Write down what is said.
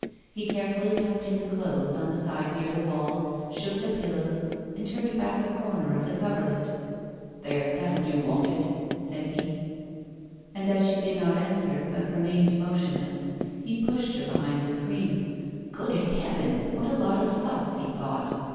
He carefully tucked in the clothes on the side near the wall, shook the pillows, and turned back a corner of the coverlet. 'There, that'll do; won't it?' said he. And as she did not answer, but remained motionless, he pushed her behind the screen. 'Good heavens! what a lot of fuss,' he thought.